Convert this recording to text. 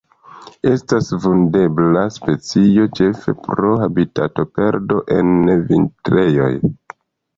Estas vundebla specio ĉefe pro habitatoperdo en vintrejoj.